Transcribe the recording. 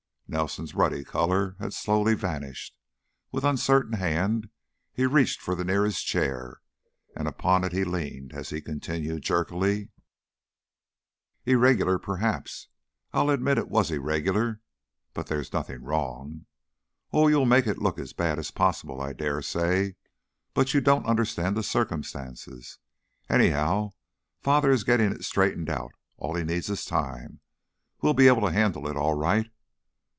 Nelson's ruddy color had slowly vanished; with uncertain hand he reached for the nearest chair, and upon it he leaned as he continued, jerkily: "Irregular, perhaps I'll admit it was irregular, but there's nothing wrong Oh, you'll make it look as bad as possible, I dare say! But you don't understand the circumstances. Anyhow, father is getting it straightened out; all he needs is time. We'll be able to handle it, all right.